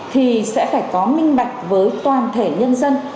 thì sẽ phải có minh bạch với toàn thể nhân dân